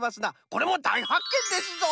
これもだいはっけんですぞ！